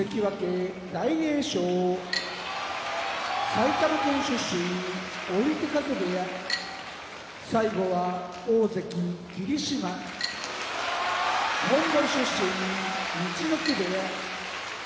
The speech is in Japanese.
埼玉県出身追手風部屋大関・霧島モンゴル出身陸奥部屋